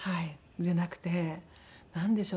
売れなくてなんでしょう